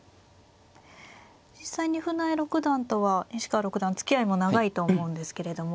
実際に船江六段とは西川六段つきあいも長いと思うんですけれども。